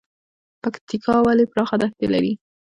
پکتیکا ولې پراخه دښتې لري؟